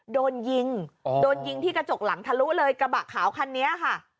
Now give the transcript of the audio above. โดนยิงโดนยิงที่กระจกหลังทะลุเลยกระบะขาวคันนี้ค่ะ